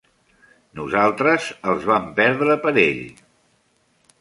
Nosaltres els vam perdre per ell.